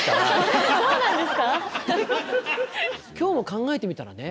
今日も考えてみたらね